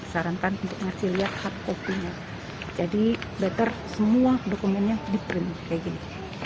sarankan untuk ngasih lihat hard copy nya jadi better semua dokumennya di prime kayak gini